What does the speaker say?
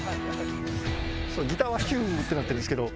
ギターはヒューッてなってるんですけど。